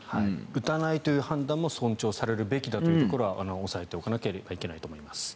打たないという判断も尊重されるべきというところは押さえておかなければいけないと思います。